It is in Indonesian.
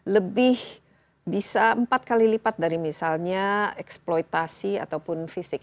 lebih bisa empat kali lipat dari misalnya eksploitasi ataupun fisik